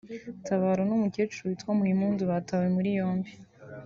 Tabaro n’umukecuru witwa Muhimpundu batawe muri yombi